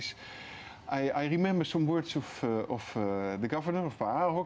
saya ingat beberapa kata dari pemerintah dari pak aarhok